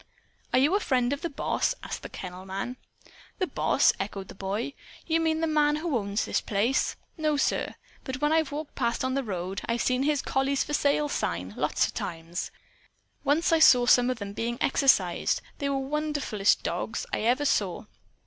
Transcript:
"Are you a friend of the boss?" asked the kennel man. "The boss?" echoed the boy. "You mean the man who owns this place? No, sir. But when I've walked past, on the road, I've seen his 'Collies for Sale' sign, lots of times. Once I saw some of them being exercised. They were the wonderfulest dogs I ever saw.